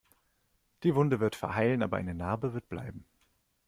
Die Wunde wird verheilen, aber eine Narbe wird bleiben.